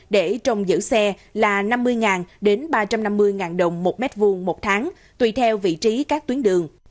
để trồng giữ xe là năm mươi ba trăm năm mươi đồng một m hai một tháng tùy theo vị trí các tuyến đường